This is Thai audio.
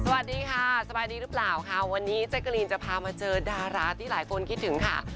สวัสดีค่ะสบายดีหรือเปล่าค่ะวันนี้แจ๊กกะรีนจะพามาเจอดาราที่หลายคนคิดถึงค่ะ